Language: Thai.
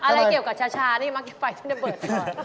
อะไรเกี่ยวกับชานี่มักเก็บไปจะได้เปิดก่อน